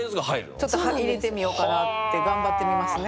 ちょっと入れてみようかなって頑張ってみますね。